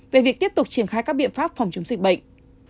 về việc tiếp tục triển khai các biện pháp phòng chống dịch bệnh